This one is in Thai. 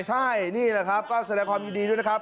ใช่นี่แหละครับก็แสดงความยินดีด้วยนะครับ